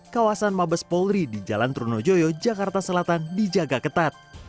kawasan mabes polri di jalan trunojoyo jakarta selatan dijaga ketat